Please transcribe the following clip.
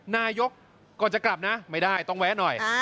นายกก่อนจะกลับนะไม่ได้ต้องแวะหน่อย